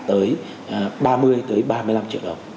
tới ba mươi tới ba mươi năm trường